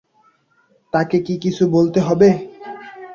তাকে কি কিছু বলতে হবে?